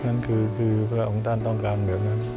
นั้นคือคือคือถ้าครองท่านต้องการเหมือนนั้น